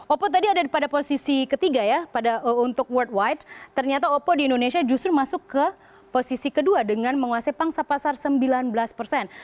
oppo tadi ada pada posisi ketiga ya untuk worldwide ternyata oppo di indonesia justru masuk ke posisi kedua dengan menguasai pangsa pasar sembilan belas persen